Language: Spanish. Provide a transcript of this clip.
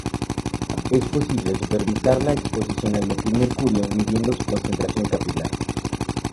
Es posible supervisar la exposición al metilmercurio midiendo su concentración capilar.